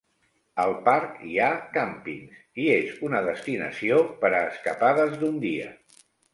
Al parc hi ha càmpings i és una destinació per a escapades d'un dia.